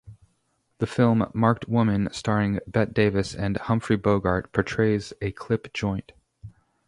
The film "Marked Woman", starring Bette Davis and Humphrey Bogart, portrays a clip joint.